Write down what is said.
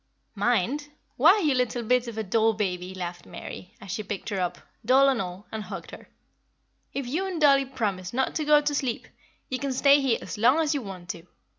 "Mind? Why you little bit of a doll baby," laughed Mary, as she picked her up, doll and all, and hugged her, "if you and dollie promise not to go to sleep, you can stay here as long as you want to.